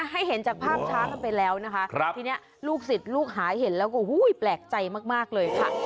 ให้เห็นจากภาพช้ากันไปแล้วนะคะทีนี้ลูกศิษย์ลูกหาเห็นแล้วก็แปลกใจมากเลยค่ะ